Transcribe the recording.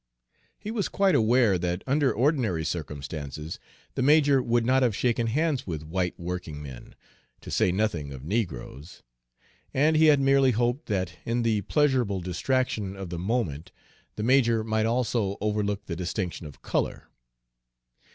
He was quite aware that under ordinary circumstances the major would not have shaken hands with white workingmen, to say nothing of negroes; and he had merely hoped that in the pleasurable distraction of the moment the major might also overlook the distinction of color.